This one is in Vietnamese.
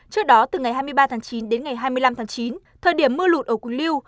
trước đó từ ngày hai mươi ba chín đến ngày hai mươi năm chín thời điểm mưa lụt ở quỳnh lưu